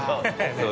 そう